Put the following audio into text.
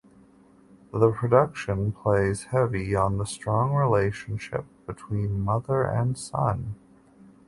The production plays heavy on the strong relationship between mother and son.